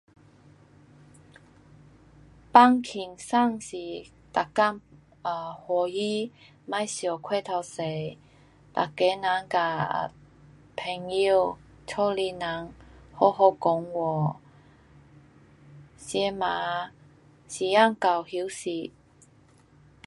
放轻松是每天 um 欢喜。别想过头多，每个人跟朋友，家里人好好讲话，吃饭，时间到休息。